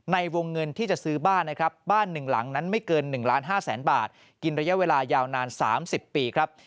ในวงเงินที่จะซื้อบ้านนะครับบ้านหนึ่งหลังนั้นไม่เกิน๑ล้าน๕แสนบาทกินระยะเวลายาวนาน๓๐ปีครับ